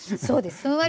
そうです。